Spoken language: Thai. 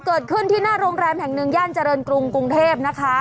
เกิดขึ้นที่หน้าโรงแรมแห่งหนึ่งย่านเจริญกรุงกรุงเทพนะคะ